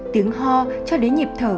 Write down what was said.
tiếng ho cho đến những oxy promoted